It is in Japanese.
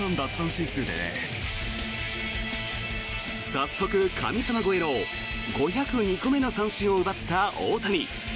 早速、神様超えの５０２個目の三振を奪った大谷。